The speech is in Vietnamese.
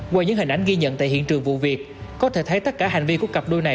qua những hình ảnh ghi nhận tại hiện trường vụ việc có thể thấy tất cả hành vi của cặp đôi này